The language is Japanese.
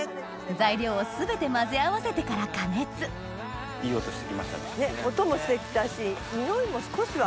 材料を全て混ぜ合わせてから加熱音もして来たし匂いも少しは。